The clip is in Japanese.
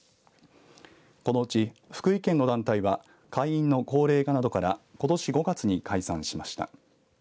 このうち福井県の団体は会員の高齢化などからことし５月に解散しました。